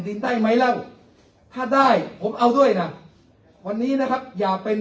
ดินได้ไหมเล่าถ้าได้ผมเอาด้วยนะวันนี้นะครับอย่าเป็น